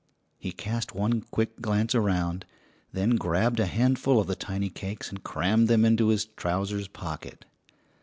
He cast one quick glance around, then grabbed a handful of the tiny cakes and crammed them into his trousers' pocket.